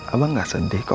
abang gak sendih kok